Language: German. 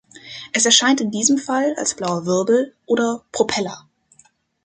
Es erscheint in diesem Fall als blauer Wirbel oder „Propeller“.